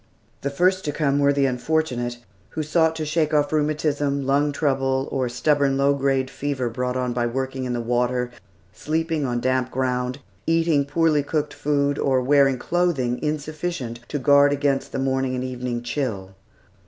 The first to come were the unfortunate, who sought to shake off rheumatism, lung trouble, or the stubborn low grade fever brought on by working in the water, sleeping on damp ground, eating poorly cooked food, or wearing clothing insufficient to guard against the morning and evening chill.